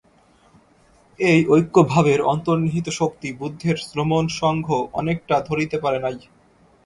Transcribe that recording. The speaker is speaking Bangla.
এই ঐক্যভাবের অন্তর্নিহিত শক্তি বুদ্ধের শ্রমণসঙ্ঘ অনেকটা ধরিতে পারে নাই।